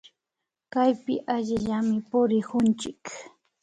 Kaypi allillami purikunchik